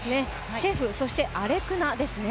チェフ、そしてアレクナですね。